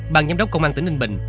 bàn giám đốc công an tỉnh ninh bình